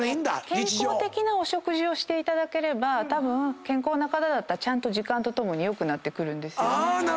健康的なお食事していただければたぶん健康な方だったらちゃんと時間と共に良くなってくるんですよね。